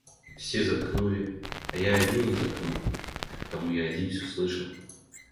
Все заткнули, а я один не заткнул и потому я один всё слышал.